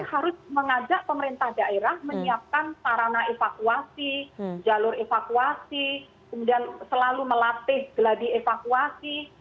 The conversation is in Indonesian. jadi mengajak pemerintah daerah menyiapkan sarana evakuasi jalur evakuasi kemudian selalu melatih geladi evakuasi